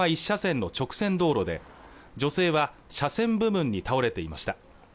１車線の直線道路で女性は車線部分に倒れていました